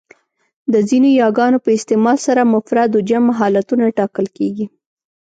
د ځینو یاګانو په استعمال سره مفرد و جمع حالتونه ټاکل کېږي.